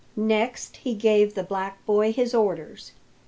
Next he gave the black boy his orders.